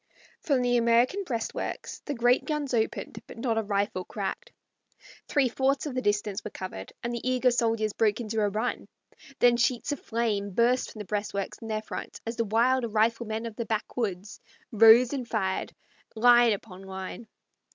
From the American breastworks the great guns opened, but not a rifle cracked. Three fourths of the distance were covered, and the eager soldiers broke into a run; then sheets of flame burst from the breastworks in their front as the wild riflemen of the backwoods rose and fired, line upon line.